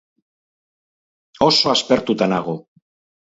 Oso aspertuta nago.